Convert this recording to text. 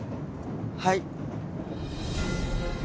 はい。